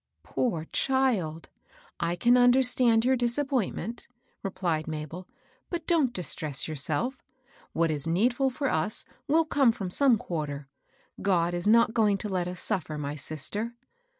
" Poor child I I can understand your disappoint* ment," replied Mabel. " But don't distress your self. What is needful for us will come from some THE BAD HEART. 123 quarter. God is not going to let ns suffer, my sister."